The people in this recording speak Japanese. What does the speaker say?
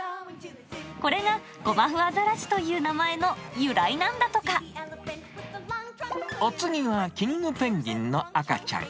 これがゴマフアザラシという名前お次はキングペンギンの赤ちゃん。